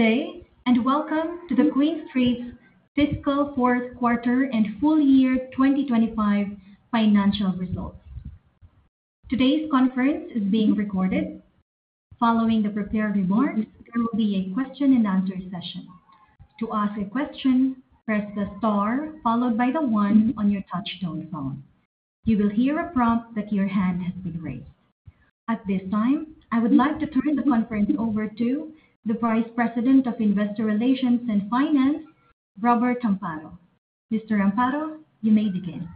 Okay, and welcome to QuinStreet's Fiscal Fourth Quarter and Full-Year 2025 Financial Results. Today's conference is being recorded. Following the prepared report, this will be a question-and-answer session. To ask a question, press the Star followed by the one on your touch-tone phone. You will hear a prompt that your hand has been raised. At this time, I would like to turn the conference over to the Vice President of Investor Relations and Finance, Robert Amparo. Mr. Amparo, you may begin.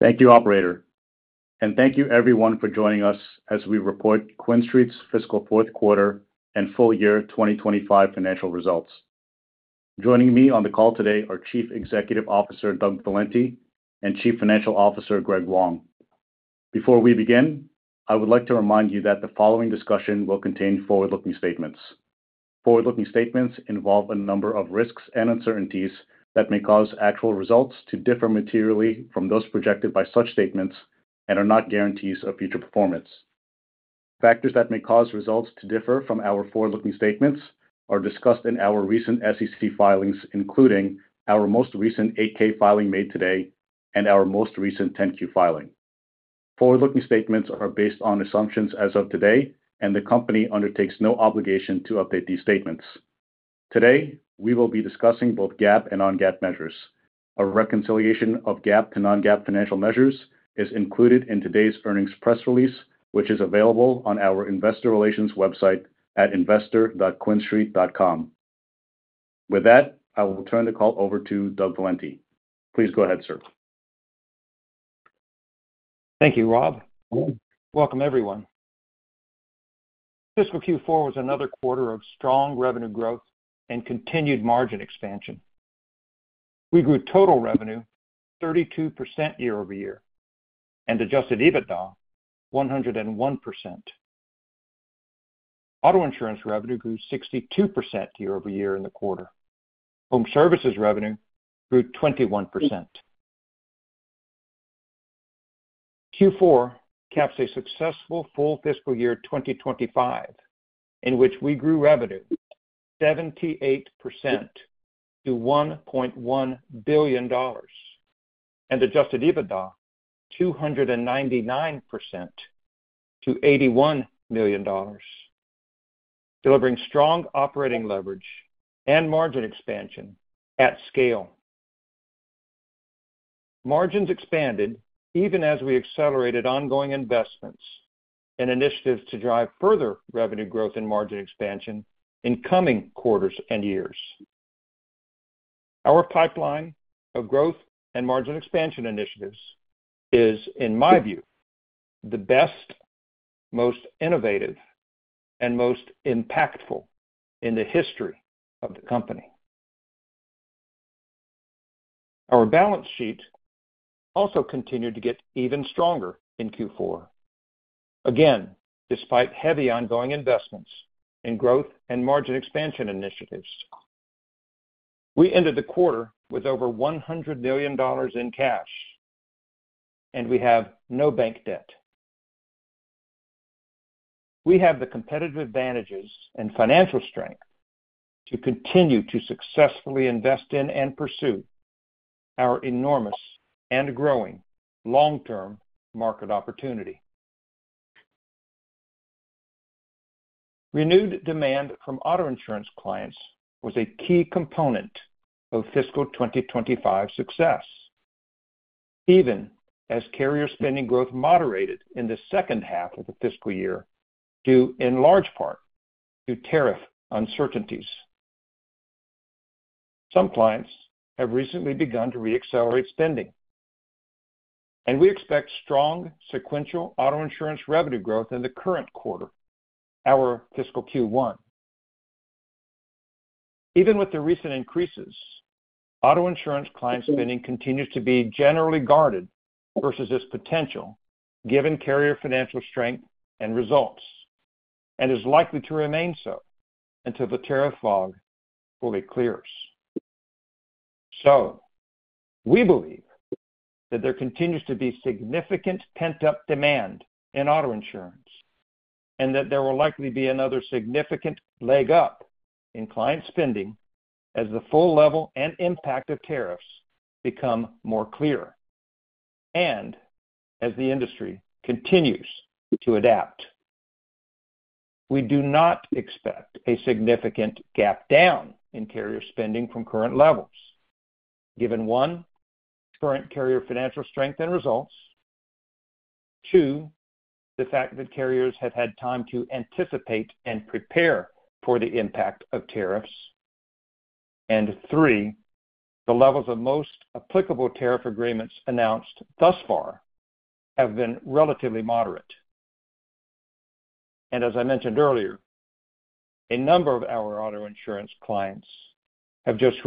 Thank you, operator. Thank you, everyone, for joining us as we report QuinStreet's fiscal fourth quarter and full-year 2025 financial results. Joining me on the call today are Chief Executive Officer Doug Valenti and Chief Financial Officer Greg Wong. Before we begin, I would like to remind you that the following discussion will contain forward-looking statements. Forward-looking statements involve a number of risks and uncertainties that may cause actual results to differ materially from those projected by such statements and are not guarantees of future performance. Factors that may cause results to differ from our forward-looking statements are discussed in our recent SEC filings, including our most recent 8-K filing made today and our most recent 10-Q filing. Forward-looking statements are based on assumptions as of today, and the company undertakes no obligation to update these statements. Today, we will be discussing both GAAP and non-GAAP measures. A reconciliation of GAAP to non-GAAP financial measures is included in today's earnings press release, which is available on our investor relations website at investor.quinstreet.com. With that, I will turn the call over to Doug Valenti. Please go ahead, sir. Thank you, Rob. Welcome, everyone. Fiscal Q4 was another quarter of strong revenue growth and continued margin expansion. We grew total revenue 32% year-over-year and adjusted EBITDA 101%. Auto insurance revenue grew 62% year-over-year in the quarter. Home services revenue grew 21%. Q4 caps a successful full fiscal year 2025, in which we grew revenue 78% to $1.1 billion and adjusted EBITDA 299% to $81 million, delivering strong operating leverage and margin expansion at scale. Margins expanded even as we accelerated ongoing investments and initiatives to drive further revenue growth and margin expansion in coming quarters and years. Our pipeline of growth and margin expansion initiatives is, in my view, the best, most innovative, and most impactful in the history of the company. Our balance sheet also continued to get even stronger in Q4, again, despite heavy ongoing investments in growth and margin expansion initiatives. We ended the quarter with over $100 million in cash, and we have no bank debt. We have the competitive advantages and financial strength to continue to successfully invest in and pursue our enormous and growing long-term market opportunity. Renewed demand from auto insurance clients was a key component of fiscal 2025 success, even as carrier spending growth moderated in the second half of the fiscal year due in large part to tariff uncertainties. Some clients have recently begun to re-accelerate spending, and we expect strong sequential auto insurance revenue growth in the current quarter, our fiscal Q1. Even with the recent increases, auto insurance client spending continues to be generally guarded versus its potential, given carrier financial strength and results, and is likely to remain so until the tariff fog fully clears. We believe that there continues to be significant pent-up demand in auto insurance and that there will likely be another significant leg up in client spending as the full level and impact of tariffs become more clear and as the industry continues to adapt. We do not expect a significant gap down in carrier spending from current levels, given one, current carrier financial strength and results, two, the fact that carriers have had time to anticipate and prepare for the impact of tariffs, and three, the levels of most applicable tariff agreements announced thus far have been relatively moderate. As I mentioned earlier, a number of our auto insurance clients have just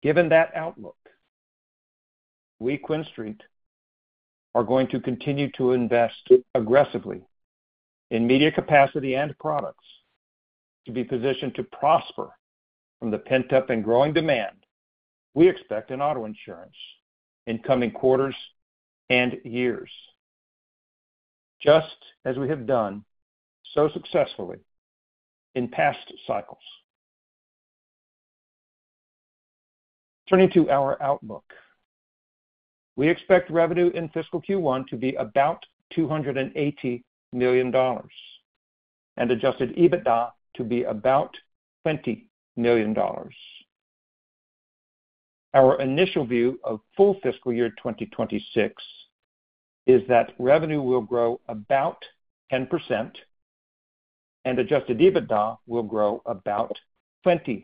recently begun to re-accelerate spending. Given that outlook, we, QuinStreet, are going to continue to invest aggressively in media capacity and products to be positioned to prosper from the pent-up and growing demand we expect in auto insurance in coming quarters and years, just as we have done so successfully in past cycles. Turning to our outlook, we expect revenue in fiscal Q1 to be about $280 million and adjusted EBITDA to be about $20 million. Our initial view of full fiscal year 2026 is that revenue will grow about 10% and adjusted EBITDA will grow about 20%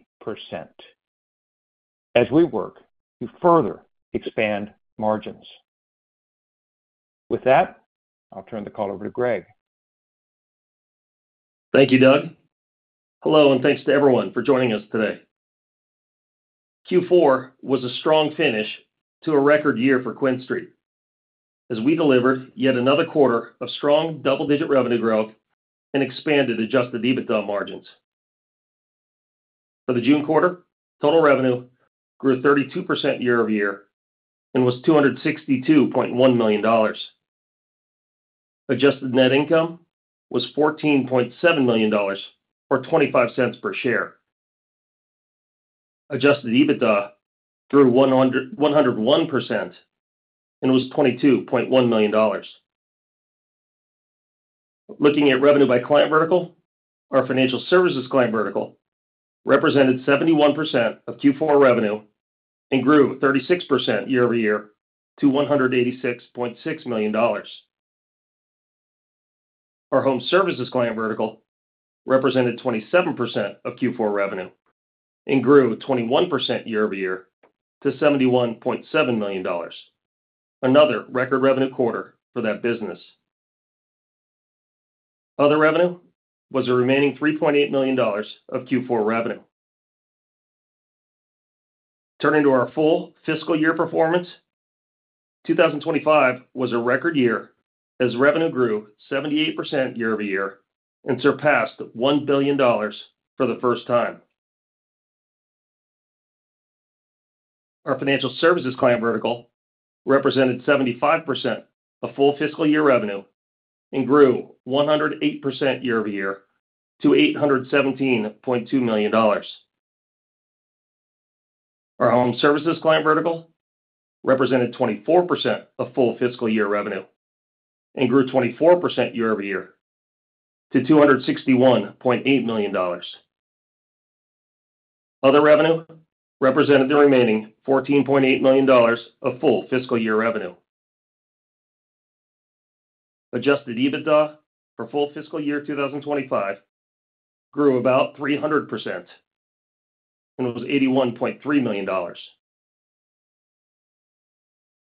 as we work to further expand margins. With that, I'll turn the call over to Greg. Thank you, Doug. Hello, and thanks to everyone for joining us today. Q4 was a strong finish to a record year for QuinStreet as we delivered yet another quarter of strong double-digit revenue growth and expanded adjusted EBITDA margins. For the June quarter, total revenue grew 32% year-over-year and was $262.1 million. Adjusted net income was $14.7 million or $0.25 per share. Adjusted EBITDA grew 101% and was $22.1 million. Looking at revenue by client vertical, our financial services client vertical represented 71% of Q4 revenue and grew 36% year-over-year to $186.6 million. Our home services client vertical represented 27% of Q4 revenue and grew 21% year-over-year to $71.7 million, another record revenue quarter for that business. Other revenue was the remaining $3.8 million of Q4 revenue. Turning to our full fiscal year performance, 2025 was a record year as revenue grew 78% year-over-year and surpassed $1 billion for the first time. Our financial services client vertical represented 75% of full fiscal year revenue and grew 108% year-over-year to $817.2 million. Our home services client vertical represented 24% of full fiscal year revenue and grew 24% year-over-year to $261.8 million. Other revenue represented the remaining $14.8 million of full fiscal year revenue. Adjusted EBITDA for full fiscal year 2025 grew about 300% and was $81.3 million.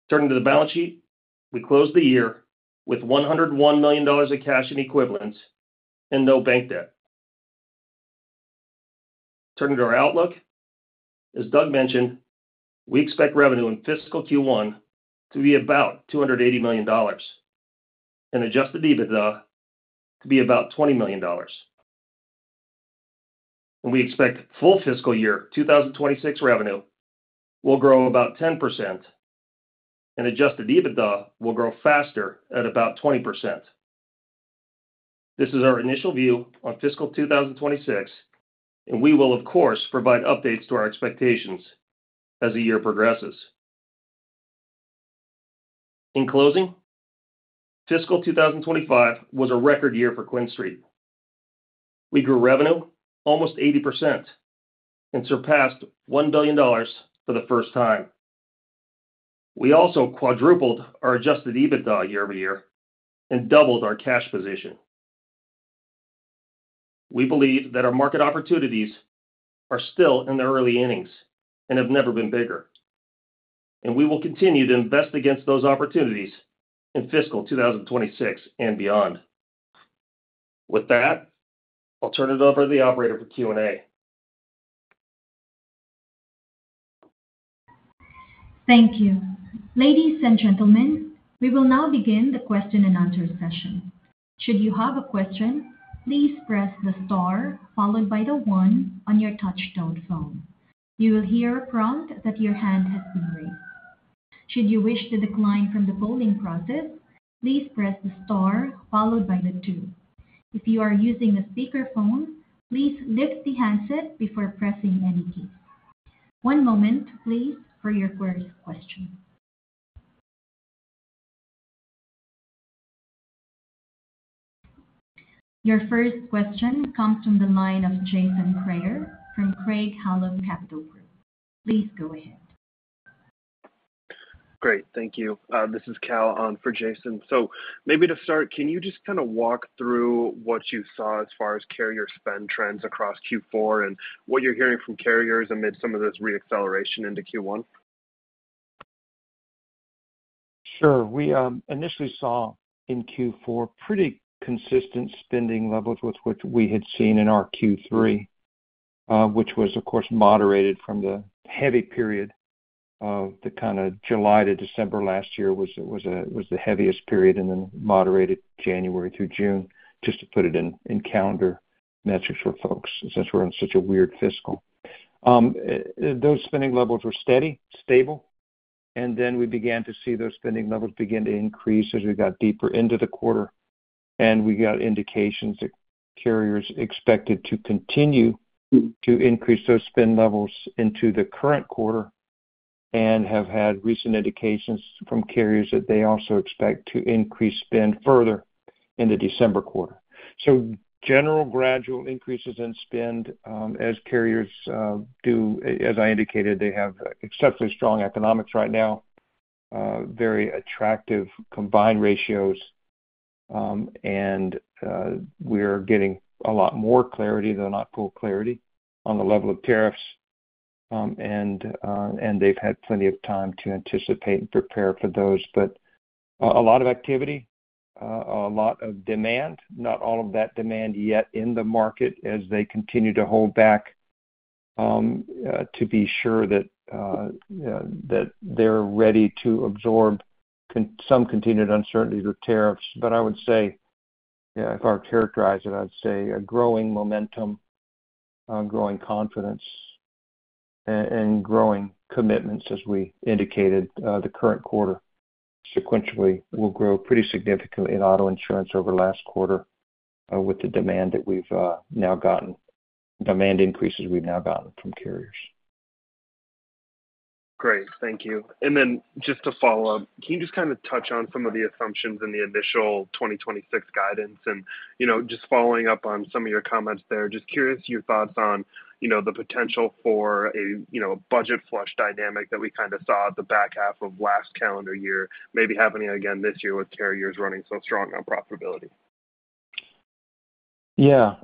Turning to the balance sheet, we closed the year with $101 million of cash and equivalents and no bank debt. Turning to our outlook, as Doug mentioned, we expect revenue in fiscal Q1 to be about $280 million and adjusted EBITDA to be about $20 million. We expect full fiscal year 2026 revenue will grow about 10% and adjusted EBITDA will grow faster at about 20%. This is our initial view on fiscal 2026, and we will, of course, provide updates to our expectations as the year progresses. In closing, fiscal 2025 was a record year for QuinStreet. We grew revenue almost 80% and surpassed $1 billion for the first time. We also quadrupled our adjusted EBITDA year-over-year and doubled our cash position. We believe that our market opportunities are still in the early innings and have never been bigger, and we will continue to invest against those opportunities in fiscal 2026 and beyond. With that, I'll turn it over to the operator for Q&A. Thank you. Ladies and gentlemen, we will now begin the question-and-answer session. Should you have a question, please press the Star followed by the one on your touch-tone phone. You will hear a prompt that your hand has been raised. Should you wish to decline from the polling process, please press the Star followed by the two. If you are using a speaker phone, please lift the handset before pressing any key. One moment, please, for your first question. Your first question comes from the line of Jason Kreyer from Craig-Hallum Capital Group. Please go ahead. Great, thank you. This is Cal on for Jason. Can you just kind of walk through what you saw as far as carrier spend trends across Q4 and what you're hearing from carriers amid some of this re-acceleration into Q1? Sure. We initially saw in Q4 pretty consistent spending levels with what we had seen in our Q3, which was, of course, moderated from the heavy period of the kind of July to December last year. That was the heaviest period and then moderated January through June, just to put it in calendar metrics for folks since we're in such a weird fiscal. Those spending levels were steady, stable, and then we began to see those spending levels begin to increase as we got deeper into the quarter. We got indications that carriers expected to continue to increase those spend levels into the current quarter and have had recent indications from carriers that they also expect to increase spend further in the December quarter. General gradual increases in spend as carriers do, as I indicated, they have exceptionally strong economics right now, very attractive combined ratios, and we are getting a lot more clarity, though not full clarity, on the level of tariffs, and they've had plenty of time to anticipate and prepare for those. A lot of activity, a lot of demand, not all of that demand yet in the market as they continue to hold back to be sure that they're ready to absorb some continued uncertainty with tariffs. I would say, if I were to characterize it, I'd say a growing momentum, growing confidence, and growing commitments. As we indicated, the current quarter sequentially will grow pretty significantly in auto insurance over the last quarter with the demand that we've now gotten, demand increases we've now gotten from carriers. Great, thank you. Just to follow up, can you touch on some of the assumptions in the initial 2026 guidance? Just following up on some of your comments there, I'm curious about your thoughts on the potential for a budget flush dynamic that we saw at the back half of last calendar year, maybe happening again this year with carriers running so strong on profitability. Yeah.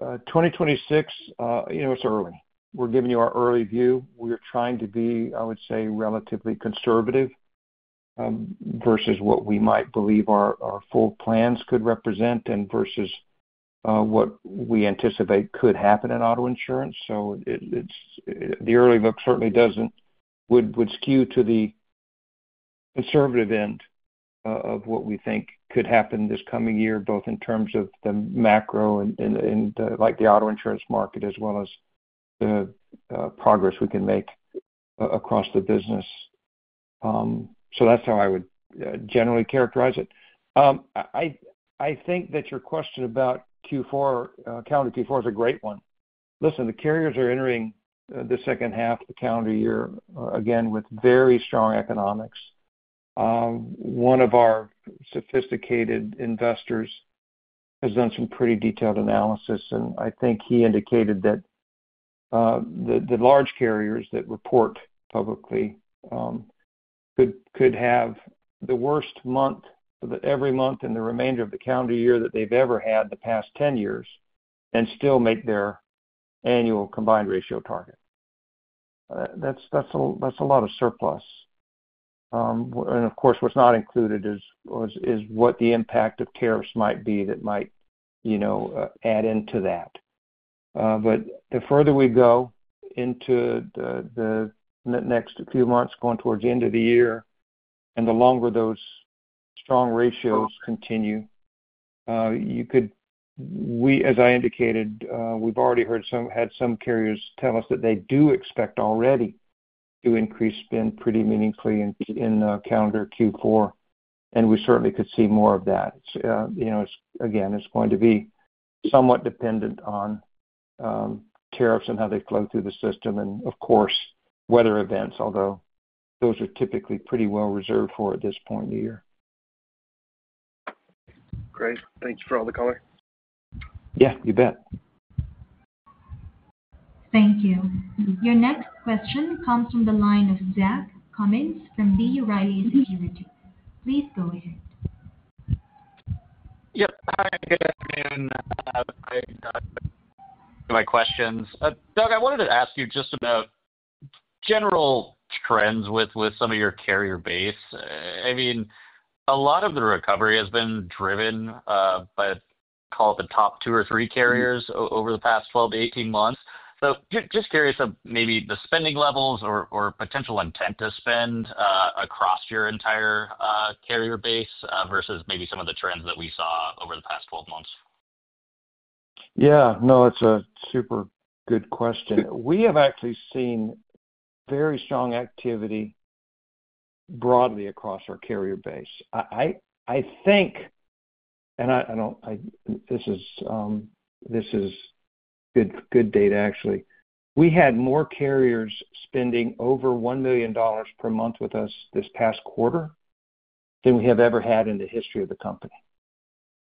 2026, you know, it's early. We're giving you our early view. We are trying to be, I would say, relatively conservative versus what we might believe our full plans could represent and versus what we anticipate could happen in auto insurance. It's the early look, certainly would skew to the conservative end of what we think could happen this coming year, both in terms of the macro and the auto insurance market as well as the progress we can make across the business. That's how I would generally characterize it. I think that your question about Q4, calendar Q4, is a great one. Listen, the carriers are entering the second half of the calendar year again with very strong economics. One of our sophisticated investors has done some pretty detailed analysis, and I think he indicated that the large carriers that report publicly could have the worst month every month in the remainder of the calendar year that they've ever had in the past 10 years and still make their annual combined ratio target. That's a lot of surplus. Of course, what's not included is what the impact of tariff agreements might be that might add into that. The further we go into the next few months, going towards the end of the year, and the longer those strong ratios continue, we, as I indicated, we've already heard some, had some carriers tell us that they do expect already to increase spend pretty meaningfully in the calendar Q4, and we certainly could see more of that. Again, it's going to be somewhat dependent on tariff agreements and how they flow through the system and, of course, weather events, although those are typically pretty well reserved for at this point in the year. Great, thank you for all the color. Yeah, you bet. Thank you. Your next question comes from the line of Zach Cummins from B. Riley Securities. Please go ahead. Hi, good afternoon. I've got my questions. Doug, I wanted to ask you just about general trends with some of your carrier base. I mean, a lot of the recovery has been driven by, call it, the top two or three carriers over the past 12-18 months. I'm just curious about maybe the spending levels or potential intent to spend across your entire carrier base versus some of the trends that we saw over the past 12 months. Yeah, no, that's a super good question. We have actually seen very strong activity broadly across our carrier base. I think, and I don't, this is good data, actually, we had more carriers spending over $1 million per month with us this past quarter than we have ever had in the history of the company.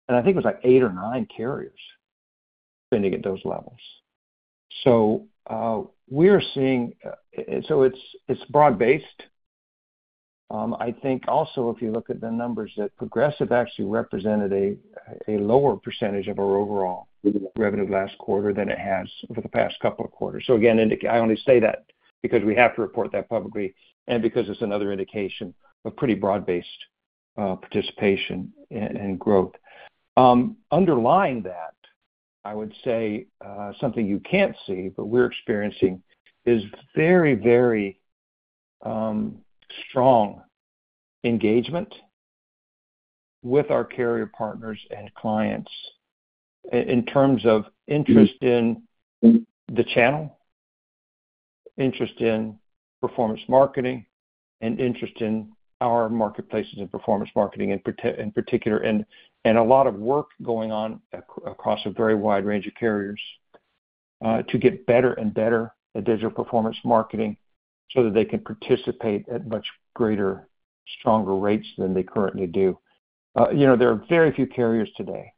I think it was like eight or nine carriers spending at those levels. We are seeing, it's broad-based. I think also, if you look at the numbers, Progressive actually represented a lower perecentage of our overall revenue last quarter than it has over the past couple of quarters. I only say that because we have to report that publicly and because it's another indication of pretty broad-based participation and growth. Underlying that, I would say something you can't see, but we're experiencing is very, very strong engagement with our carrier partners and clients in terms of interest in the channel, interest in performance marketing, and interest in our marketplaces and performance marketing in particular. A lot of work is going on across a very wide range of carriers to get better and better at digital performance marketing so that they can participate at much greater, stronger rates than they currently do. There are very few carriers today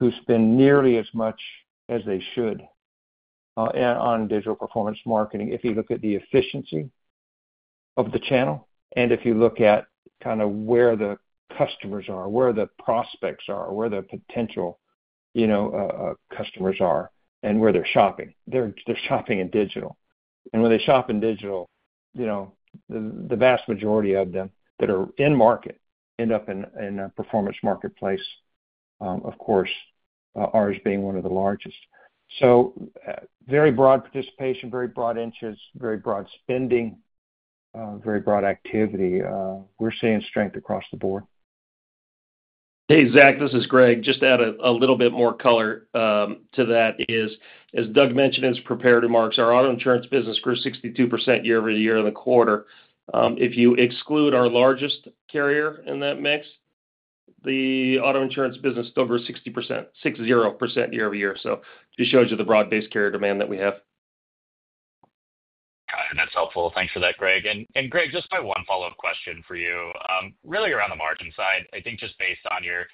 who spend nearly as much as they should on digital performance marketing if you look at the efficiency of the channel and if you look at kind of where the customers are, where the prospects are, where the potential customers are, and where they're shopping. They're shopping in digital. When they shop in digital, the vast majority of them that are in market end up in a performance marketplace, of course, ours being one of the largest. Very broad participation, very broad interests, very broad spending, very broad activity. We're seeing strength across the board. Hey, Zach, this is Greg. Just to add a little bit more color to that, as Doug mentioned in his prepared remarks, our auto insurance business grew 62% year-over-year in the quarter. If you exclude our largest carrier in that mix, the auto insurance business still grew 60% year-over-year. It just shows you the broad-based carrier demand that we have. Got it. That's helpful. Thanks for that, Greg. Greg, just my one follow-up question for you, really around the margin side. I think just based on your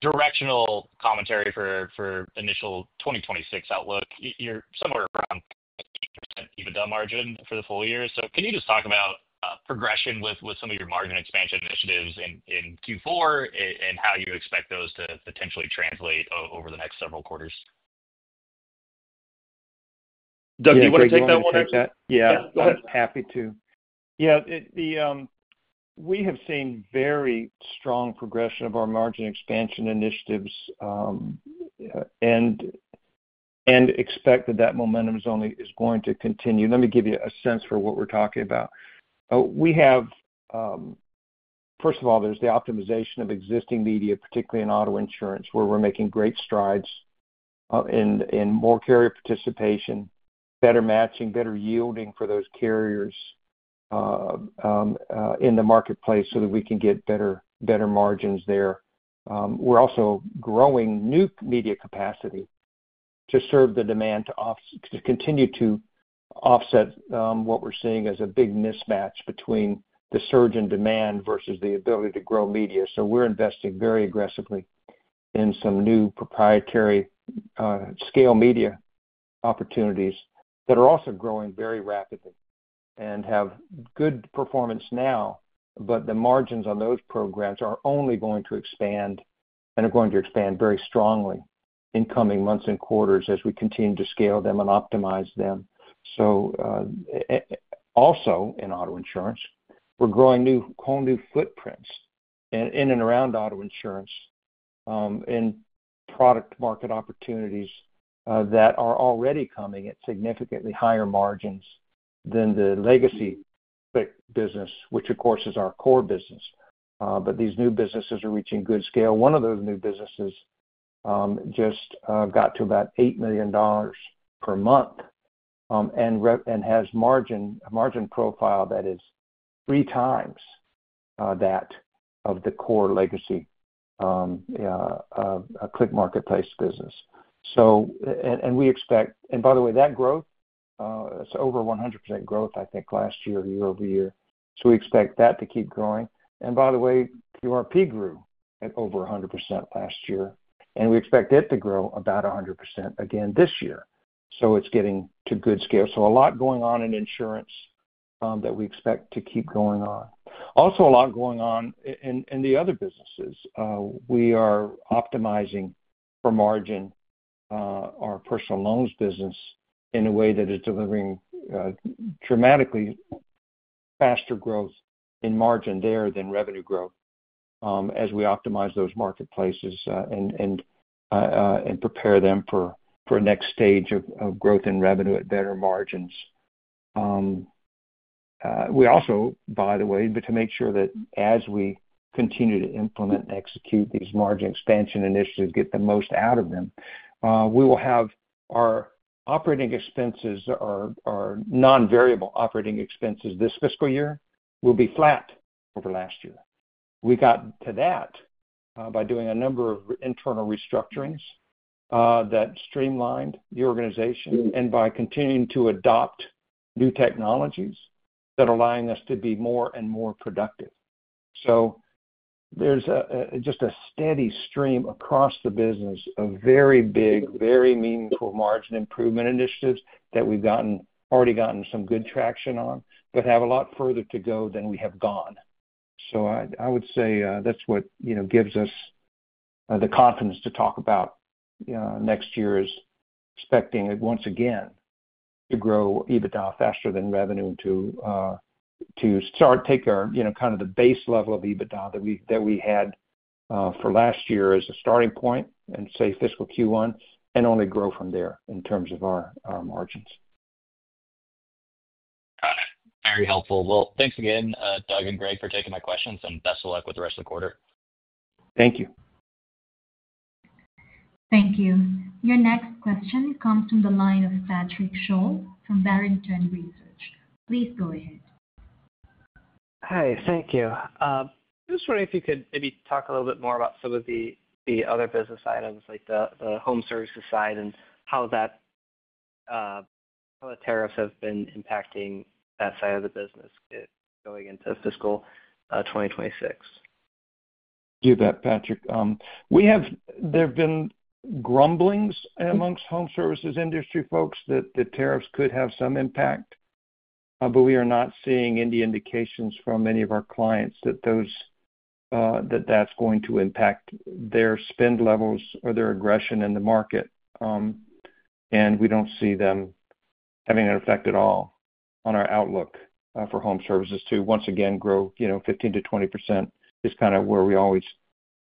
directional commentary for initial 2026 outlook, you're somewhere around EBITDA margin for the full year. Can you just talk about progression with some of your margin expansion initiatives in Q4 and how you expect those to potentially translate over the next several quarters? Doug, do you want to take that one? Yeah. Go ahead. Happy to. Yeah, we have seen very strong progression of our margin expansion initiatives and expect that that momentum is going to continue. Let me give you a sense for what we're talking about. We have, first of all, there's the optimization of existing media, particularly in auto insurance, where we're making great strides in more carrier participation, better matching, better yielding for those carriers in the marketplace so that we can get better margins there. We're also growing new media capacity to serve the demand to continue to offset what we're seeing as a big mismatch between the surge in demand versus the ability to grow media. We are investing very aggressively in some new proprietary scale media opportunities that are also growing very rapidly and have good performance now, but the margins on those programs are only going to expand and are going to expand very strongly in coming months and quarters as we continue to scale them and optimize them. Also in auto insurance, we're growing whole new footprints in and around auto insurance and product market opportunities that are already coming at significantly higher margins than the legacy business, which of course is our core business. These new businesses are reaching good scale. One of those new businesses just got to about $8 million per month and has a margin profile that is three times that of the core legacy Click Marketplace business. We expect, and by the way, that growth, it's over 100% growth, I think, last year, year-over-year. We expect that to keep growing. By the way, QRP grew at over 100% last year, and we expect it to grow about 100% again this year. It's getting to good scale. A lot going on in insurance that we expect to keep going on. Also, a lot going on in the other businesses. We are optimizing for margin, our personal loans business in a way that is delivering dramatically faster growth in margin there than revenue growth as we optimize those marketplaces and prepare them for the next stage of growth in revenue at better margins. We also, by the way, to make sure that as we continue to implement and execute these margin expansion initiatives, get the most out of them, we will have our operating expenses, our non-variable operating expenses this fiscal year will be flat over last year. We got to that by doing a number of internal restructurings that streamlined the organization and by continuing to adopt new technologies that are allowing us to be more and more productive. There's just a steady stream across the business of very big, very meaningful margin improvement initiatives that we've already gotten some good traction on, but have a lot further to go than we have gone. I would say that's what gives us the confidence to talk about next year as expecting it once again to grow EBITDA faster than revenue, to start taking our, you know, kind of the base level of EBITDA that we had for last year as a starting point in, say, fiscal Q1 and only grow from there in terms of our margins. Got it. Very helpful. Thanks again, Doug and Greg, for taking my questions, and best of luck with the rest of the quarter. Thank you. Thank you. Your next question comes from the line of Patrick Sholl from Barrington Research. Please go ahead. Hi. Thank you. I'm just wondering if you could maybe talk a little bit more about some of the other business items, like the home services side, and how the tariffs have been impacting that side of the business going into fiscal 2026. You bet, Patrick. There have been grumblings amongst home services industry folks that the tariffs could have some impact, but we are not seeing any indications from any of our clients that that's going to impact their spend levels or their aggression in the market. We do not see them having an effect at all on our outlook for home services to once again grow. 15%-20% is kind of where we always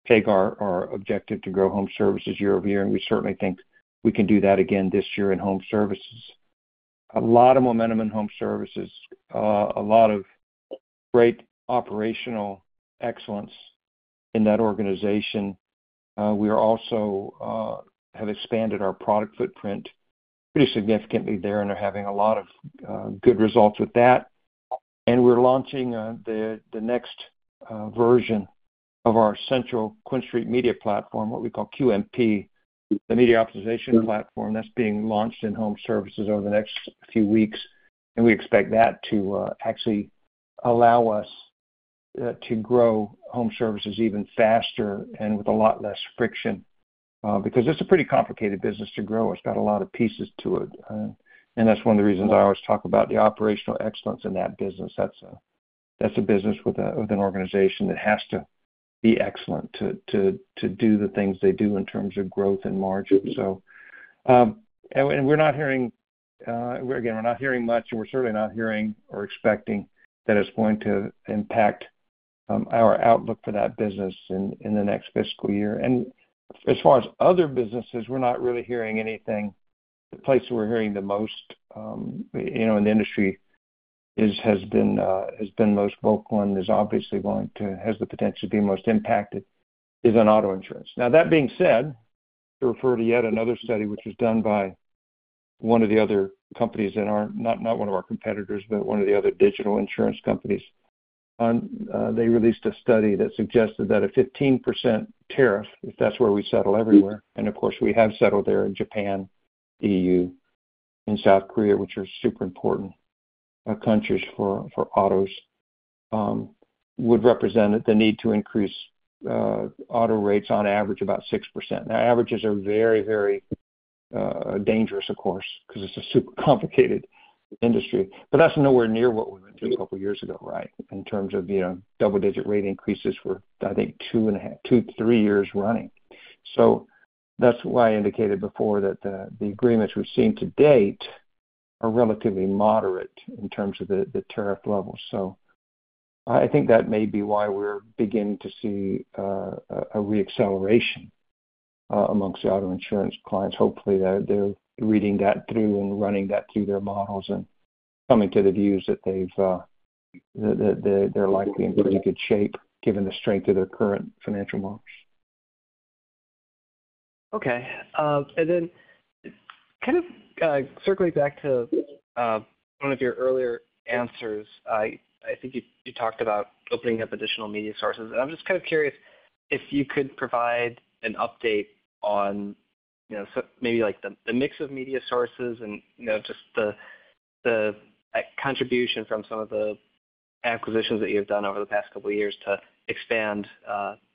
take our objective to grow home services year over year, and we certainly think we can do that again this year in home services. There is a lot of momentum in home services, a lot of great operational excellence in that organization. We also have expanded our product footprint pretty significantly there, and they're having a lot of good results with that. We are launching the next version of our central QuinStreet Media Platform, what we call QMP, the media optimization platform that's being launched in home services over the next few weeks. We expect that to actually allow us to grow home services even faster and with a lot less friction because it's a pretty complicated business to grow. It's got a lot of pieces to it. That is one of the reasons I always talk about the operational excellence in that business. That's a business with an organization that has to be excellent to do the things they do in terms of growth and margins. We are not hearing, again, we are not hearing much, and we are certainly not hearing or expecting that it's going to impact our outlook for that business in the next fiscal year. As far as other businesses, we are not really hearing anything. The place where we are hearing the most in the industry, which has been most vocal and is obviously going to, has the potential to be most impacted, is on auto insurance. That being said, to refer to yet another study, which was done by one of the other companies that are not one of our competitors, but one of the other digital insurance companies, they released a study that suggested that a 15% tariff, if that's where we settle everywhere, and of course, we have settled there in Japan, the E.U., and South Korea, which are super important countries for autos, would represent the need to increase auto rates on average about 6%. Averages are very, very dangerous, of course, because it's a super complicated industry. That is nowhere near what we went through a couple of years ago, right? In terms of double-digit rate increases for, I think, 2.5, two, three years running, that's why I indicated before that the agreements we've seen to date are relatively moderate in terms of the tariff levels. I think that may be why we're beginning to see a re-acceleration amongst the auto insurance clients. Hopefully, they're reading that through and running that through their models and coming to the views that they're likely in pretty good shape, given the strength of their current financial models. Okay. Circling back to one of your earlier answers, I think you talked about opening up additional media sources. I'm just curious if you could provide an update on maybe the mix of media sources and the contribution from some of the acquisitions that you've done over the past couple of years to expand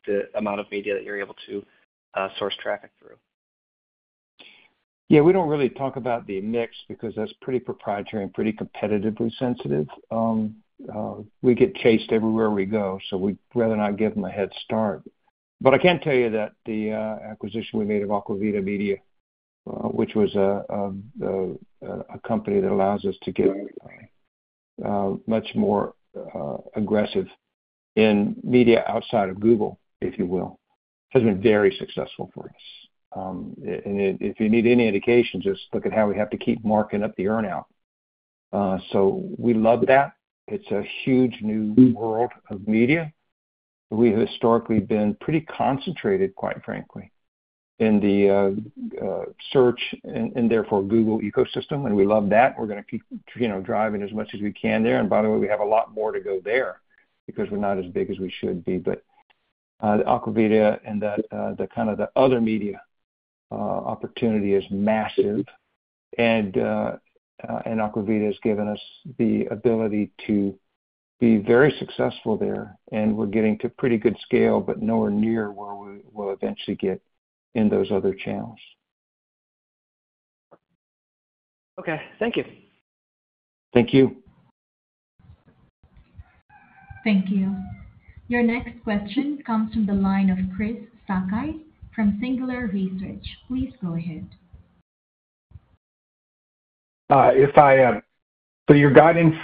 the amount of media that you're able to source traffic through. Yeah, we don't really talk about the mix because that's pretty proprietary and pretty competitively sensitive. We get chased everywhere we go, so we'd rather not give them a head start. I can tell you that the acquisition we made of Aqua Vida Media, which was a company that allows us to get much more aggressive in media outside of Google, if you will, has been very successful for us. If you need any indication, just look at how we have to keep marking up the earnout. We love that. It's a huge new world of media. We have historically been pretty concentrated, quite frankly, in the search and therefore Google ecosystem, and we love that. We're going to keep driving as much as we can there. By the way, we have a lot more to go there because we're not as big as we should be. Aqua Vida and the other media opportunity is massive, and Aqua Vida has given us the ability to be very successful there. We're getting to pretty good scale, but nowhere near where we will eventually get in those other channels. Okay, thank you. Thank you. Thank you. Your next question comes from the line of Chris Sakai from Singular Research. Please go ahead. If I am, your guidance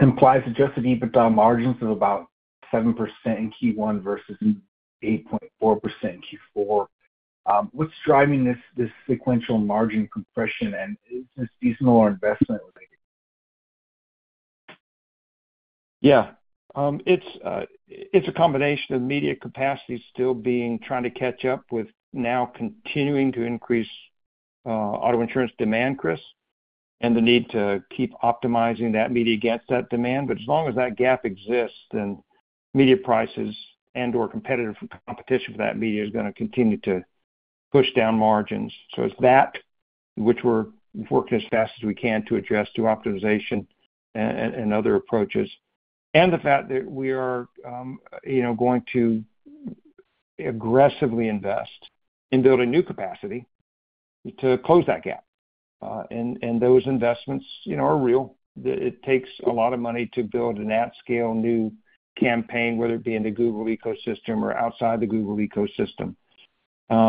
implies adjusted EBITDA margins of about 7% in Q1 versus 8.4% in Q4. What's driving this sequential margin compression, and is this seasonal or investment-related? Yeah. It's a combination of media capacity still trying to catch up with now continuing to increase auto insurance demand, Chris, and the need to keep optimizing that media to get that demand. As long as that gap exists, then media prices and/or competition for that media is going to continue to push down margins. It's that, which we're working as fast as we can to address through optimization and other approaches, and the fact that we are going to aggressively invest in building new capacity to close that gap. Those investments are real. It takes a lot of money to build an at-scale new campaign, whether it be in the Google ecosystem or outside the Google ecosystem.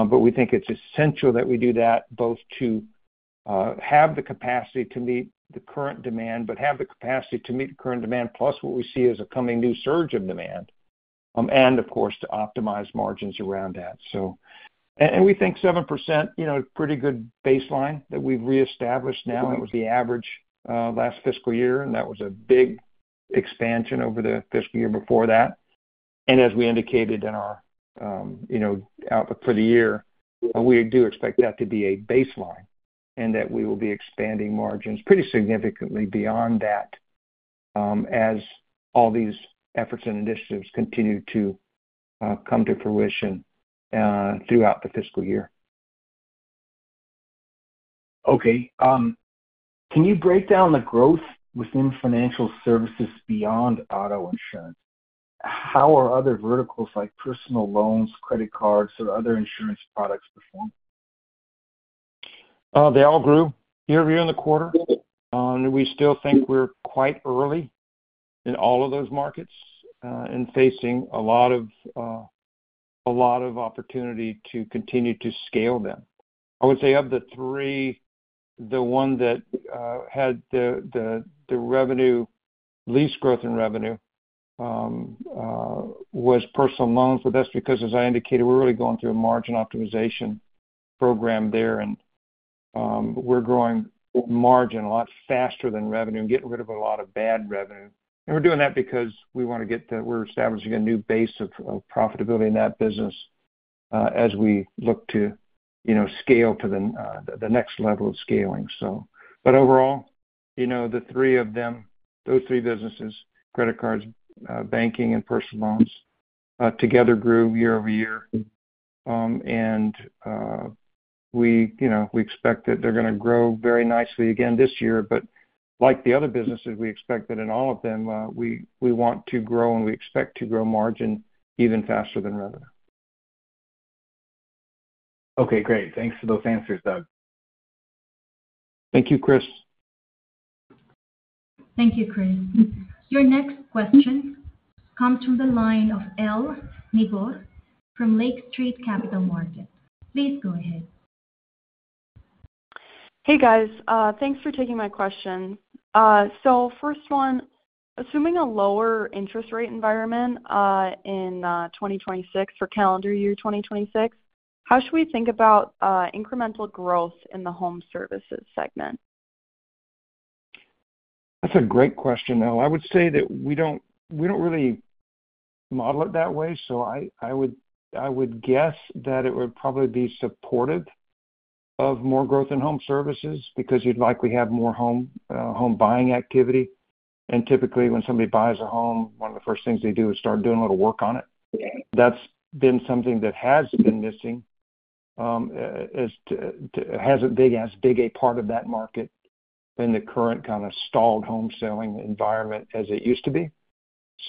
We think it's essential that we do that both to have the capacity to meet the current demand, but also to have the capacity to meet the current demand plus what we see as a coming new surge of demand, and of course, to optimize margins around that. We think 7% is a pretty good baseline that we've reestablished now, and it was the average last fiscal year, and that was a big expansion over the fiscal year before that. As we indicated in our outlook for the year, we do expect that to be a baseline and that we will be expanding margins pretty significantly beyond that as all these efforts and initiatives continue to come to fruition throughout the fiscal year. Okay. Can you break down the growth within financial services beyond auto insurance? How are other verticals like personal loans, credit cards, or other insurance products? They all grew year-over-year in the quarter. We still think we're quite early in all of those markets and facing a lot of opportunity to continue to scale them. I would say of the three, the one that had the least growth in revenue was personal loans. That's because, as I indicated, we're really going through a margin optimization program there, and we're growing margin a lot faster than revenue and getting rid of a lot of bad revenue. We're doing that because we want to get to, we're establishing a new base of profitability in that business as we look to scale to the next level of scaling. Overall, the three of them, those three businesses, credit cards, banking, and personal loans together grew year-over-year. We expect that they're going to grow very nicely again this year. Like the other businesses, we expect that in all of them, we want to grow, and we expect to grow margin even faster than revenue. Okay, great. Thanks for those answers, Doug. Thank you, Chris. Thank you, Chris. Your next question comes from the line of Elle Niebuhr from Lake Street Capital Markets. Please go ahead. Hey, guys. Thanks for taking my question. First one, assuming a lower interest rate environment in 2026 for calendar year 2026, how should we think about incremental growth in the home services segment? That's a great question, Elle. I would say that we don't really model it that way. I would guess that it would probably be supportive of more growth in home services because you'd likely have more home buying activity. Typically, when somebody buys a home, one of the first things they do is start doing a little work on it. That's been something that has been missing as big a part of that market in the current kind of stalled home selling environment as it used to be.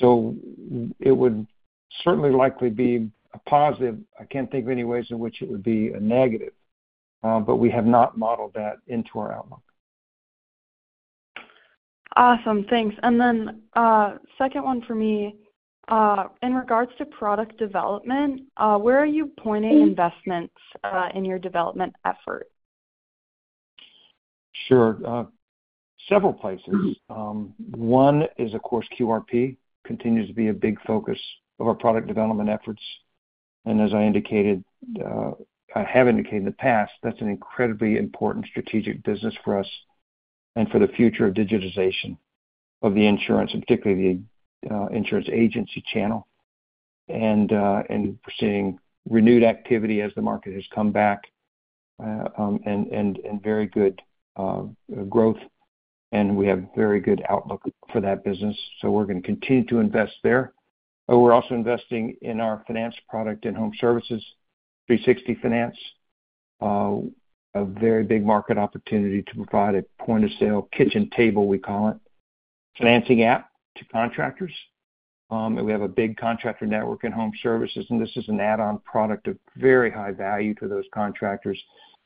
It would certainly likely be a positive. I can't think of any ways in which it would be a negative, but we have not modeled that into our outlook. Awesome. Thanks. Second one for me, in regards to product development, where are you pointing investments in your development effort? Sure. Several places. One is, of course, QRP continues to be a big focus of our product development efforts. As I indicated, I have indicated in the past, that's an incredibly important strategic business for us and for the future of digitization of the insurance and particularly the insurance agency channel. We're seeing renewed activity as the market has come back and very good growth. We have a very good outlook for that business. We're going to continue to invest there. We're also investing in our finance product in home services, 360 Finance, a very big market opportunity to provide a point-of-sale kitchen table, we call it, financing app to contractors. We have a big contractor network in home services. This is an add-on product of very high value to those contractors.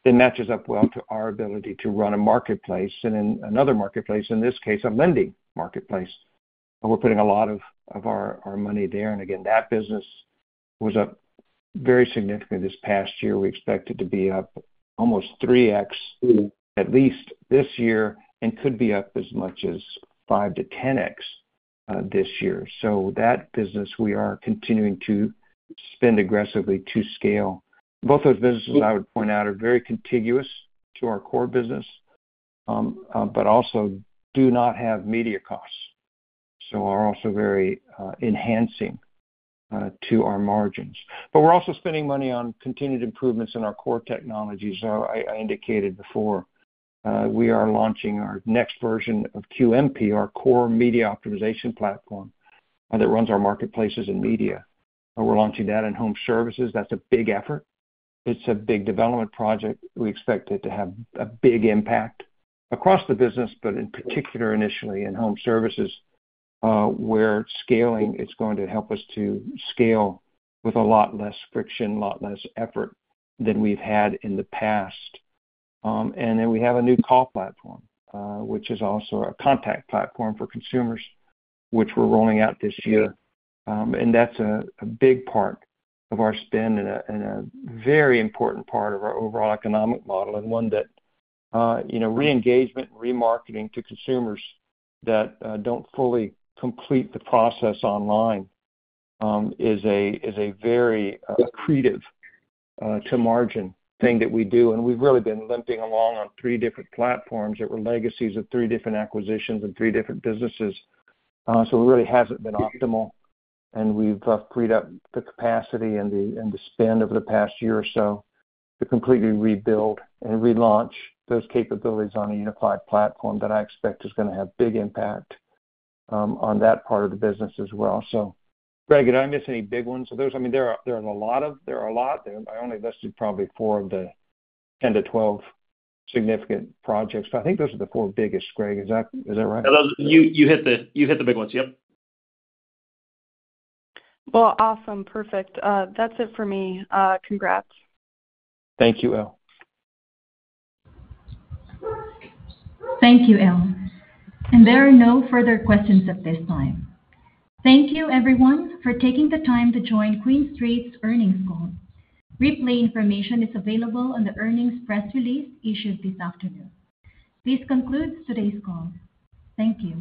It matches up well to our ability to run a marketplace and in another marketplace, in this case, a lending marketplace. We're putting a lot of our money there. That business was up very significantly this past year. We expect it to be up almost 3x at least this year and could be up as much as 5x-10x this year. That business, we are continuing to spend aggressively to scale. Both those businesses, I would point out, are very contiguous to our core business, but also do not have media costs, so are also very enhancing to our margins. We're also spending money on continued improvements in our core technologies. As I indicated before, we are launching our next version of QMP, our core media optimization platform that runs our marketplaces and media. We're launching that in home services. That's a big effort. It's a big development project. We expect it to have a big impact across the business, but in particular, initially in home services, where scaling is going to help us to scale with a lot less friction, a lot less effort than we've had in the past. We have a new call platform, which is also a contact platform for consumers, which we're rolling out this year. That's a big part of our spend and a very important part of our overall economic model. Re-engagement and remarketing to consumers that don't fully complete the process online is a very accretive to margin thing that we do. We've really been limping along on three different platforms that were legacies of three different acquisitions and three different businesses. It really hasn't been optimal. We've freed up the capacity and the spend over the past year or so to completely rebuild and relaunch those capabilities on a unified platform that I expect is going to have big impact on that part of the business as well. Greg, did I miss any big ones of those? There are a lot. I only listed probably four of the 10-12 significant projects. I think those are the four biggest, Greg. Is that right? You hit the big ones. Yep. Awesome. Perfect. That's it for me. Congrats. Thank you, Elle. Thank you, Elle. There are no further questions at this time. Thank you, everyone, for taking the time to join QuinStreet's earnings call. Replay information is available on the earnings press release issued this afternoon. This concludes today's call. Thank you.